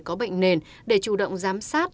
có bệnh nền để chủ động giám sát